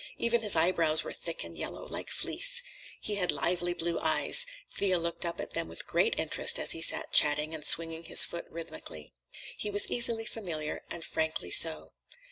Even his eyebrows were thick and yellow, like fleece. He had lively blue eyes—Thea looked up at them with great interest as he sat chatting and swinging his foot rhythmically. He was easily familiar, and frankly so.